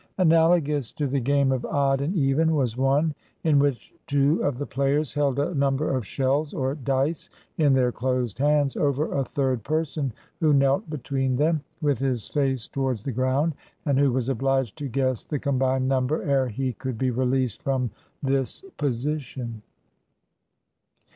Analogous to the game of odd and even was one, in which two of the players held a number of shells, or dice, in their closed hands, over a third person who knelt be tween them, with his face towards the ground, and who was obliged to guess the combined nvunber ere he could be released from this position.